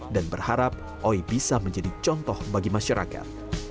dan berharap oi bisa menjadi contoh bagi masyarakat